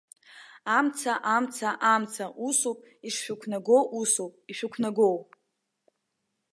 Амца, амца, амца, усоуп ишшәықәнагоу, усоуп ишәықәнагоу!